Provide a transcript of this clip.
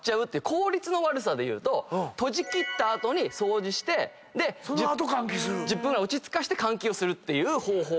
効率の悪さでいうと閉じ切った後に掃除して１０分ぐらい落ち着かせて換気をするっていう方法。